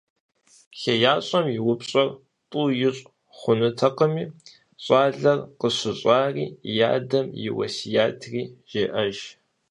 ХеящӀэм и упщӀэр тӀу ищӀ хъунутэкъыми, щӀалэм къыщыщӏари и адэм и уэсиятри жеӀэж.